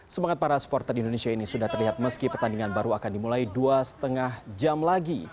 semangat para supporter di indonesia ini sudah terlihat meski pertandingan baru akan dimulai dua lima jam lagi